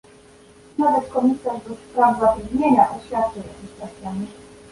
Nawet komisarz do spraw zatrudnienia oświadczył jakiś czas temu